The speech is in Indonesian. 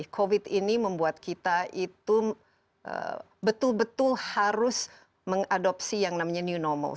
covid ini membuat kita itu betul betul harus mengadopsi yang namanya new normal